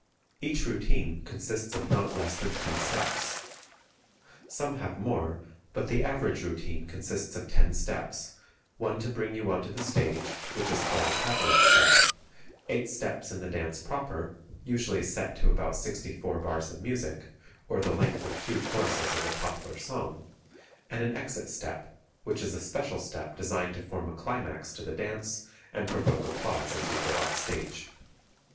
Each routine consists of not less than ten steps. Some have more, but the average routine consists of ten steps, one to bring you onto the stage, which is called a travelling step, eight steps in the dance proper, usually set to about 64 bars of music, or the length of two (2) choruses of a popular song, and an exit step, which is a special step designed to form a climax to the dance and provoke applause as you go off stage.